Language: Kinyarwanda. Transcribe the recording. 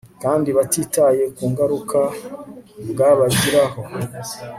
kandi batitaye ku ngaruka bwabagiraho